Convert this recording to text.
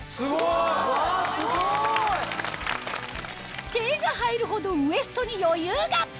すごい！手が入るほどウエストに余裕が！